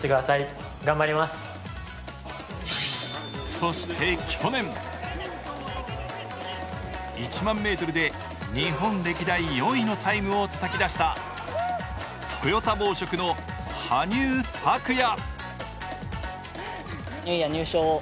そして去年、１００００ｍで日本歴代４位のタイムをたたき出したトヨタ紡織の羽生拓矢。